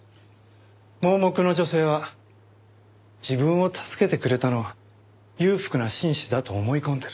盲目の女性は自分を助けてくれたのは裕福な紳士だと思い込んでいる。